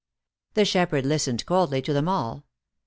The shepherd listened coldly to them all.